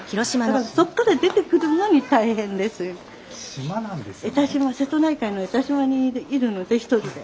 島なんですね。